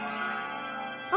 あ！